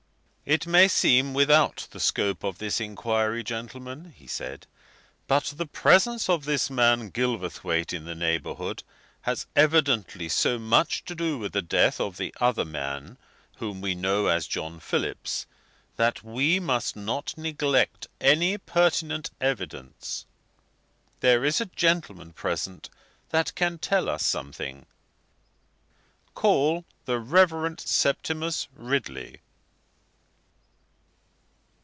"It may seem without the scope of this inquiry, gentlemen," he said, "but the presence of this man Gilverthwaite in the neighbourhood has evidently so much to do with the death of the other man, whom we know as John Phillips, that we must not neglect any pertinent evidence. There is a gentleman present that can tell us something. Call the Reverend Septimus Ridley."